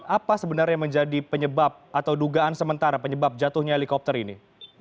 apa sebenarnya menjadi penyebab atau dugaan sementara penyebab jatuhnya helikopter ini